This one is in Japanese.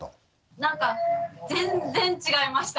なんか全然違いました。